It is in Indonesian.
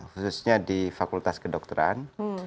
khususnya di fakultas kedokteran